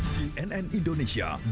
di nn indonesia breaking news